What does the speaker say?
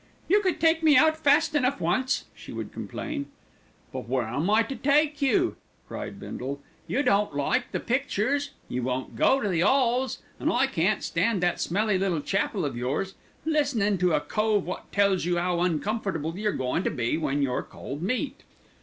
"You could take me out fast enough once," she would complain. "But where'm I to take you?" cried Bindle. "You don't like the pictures, you won't go to the 'alls, and I can't stand that smelly little chapel of yours, listenin' to a cove wot tells you 'ow uncomfortable you're goin' to be when you're cold meat."